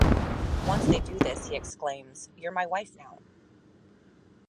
Once they do this he exclaims, You're my wife now!